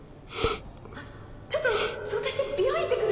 あちょっと早退して美容院行ってくる。